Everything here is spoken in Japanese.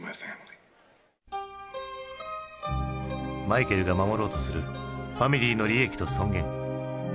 マイケルが守ろうとするファミリーの利益と尊厳。